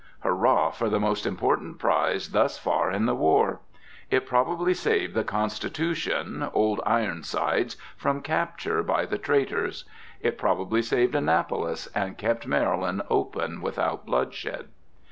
Hurrah for the most important prize thus far in the war! It probably saved the "Constitution," "Old Ironsides," from capture by the traitors. It probably saved Annapolis, and kept Maryland open without bloodshed.